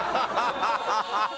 ハハハハ！